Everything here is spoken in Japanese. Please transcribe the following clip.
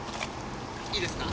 いいですか？